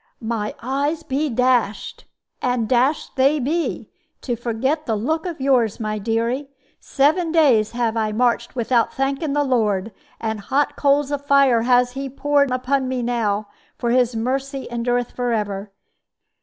"My eyes be dashed! And dashed they be, to forget the look of yours, my dearie. Seven days have I marched without thanking the Lord; and hot coals of fire has He poured upon me now, for His mercy endureth forever.